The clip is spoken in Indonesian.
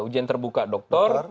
ujian terbuka dokter